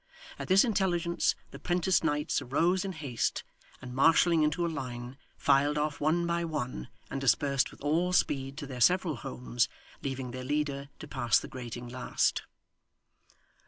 At this intelligence, the 'Prentice Knights arose in haste, and marshalling into a line, filed off one by one and dispersed with all speed to their several homes, leaving their leader to pass the grating last.